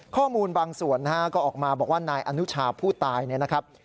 ข้อมูลบางส่วนนะฮะก็ออกมาบอกว่านายอนุชาผู้ตายเนี่ยนะครับ